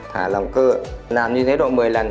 thả lòng cơ làm như thế độ một mươi lần